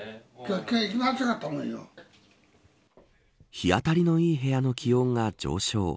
日当たりのいい部屋の気温が上昇。